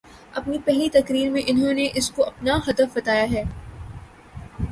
اپنی پہلی تقریر میں انہوں نے اس کو اپناہدف بتایا ہے۔